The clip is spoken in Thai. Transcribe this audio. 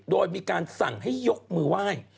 โดยมีการสั่งให้ยกมือไหว้